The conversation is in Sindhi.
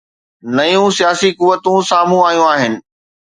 نيون سياسي قوتون سامهون آيون آهن.